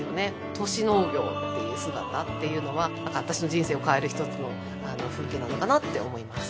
都市農業っていう姿というのは私の人生を変える１つの風景なのかなと思います。